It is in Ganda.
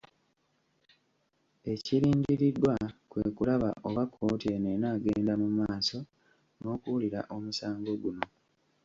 Ekirindiriddwa kwe kulaba oba kkooti eno enaagenda mu maaso n’okuwulira omusango guno.